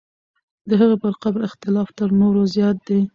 د هغې پر قبر اختلاف تر نورو زیات دی.